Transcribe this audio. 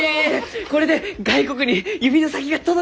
これで外国に指の先が届きます！